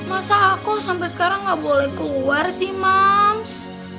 masa aku sampai sekarang nggak boleh keluar sih mams